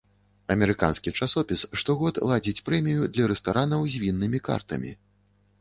Амерыканскі часопіс штогод ладзіць прэмію для рэстаранаў з віннымі картамі.